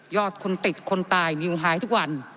อดคนติดคนตายนิวหายทุกวัน